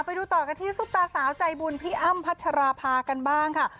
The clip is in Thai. ไปดูต่อกันที่ซุปตาสาวใจบุญพี่อ้ำพัชราภากันบ้างค่ะ